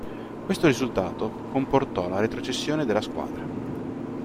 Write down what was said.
Questo risultato comportò la retrocessione della squadra.